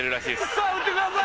さあ打ってください！